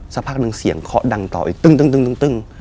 สักพักหนึ่งเสียงเคาะดังต่ออีกตึ้ง